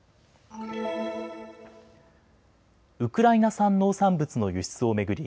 ウクライナ産農産物の輸出を巡り